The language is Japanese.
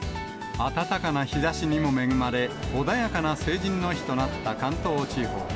暖かな日ざしにも恵まれ、穏やかな成人の日となった関東地方。